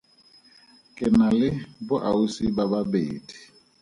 Ke na le boausi ba babedi.